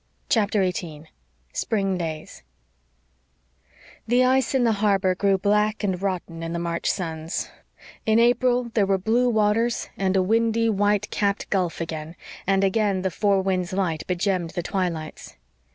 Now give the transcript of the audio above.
CHAPTER 18 SPRING DAYS The ice in the harbor grew black and rotten in the March suns; in April there were blue waters and a windy, white capped gulf again; and again the Four Winds light begemmed the twilights.